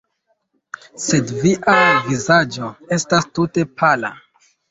Sed via vizaĝo estas tute pala!